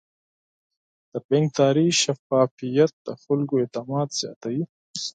د بانکداري شفافیت د خلکو اعتماد زیاتوي.